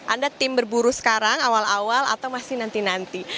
anda tim berburu sekarang awal awal atau masih nanti nanti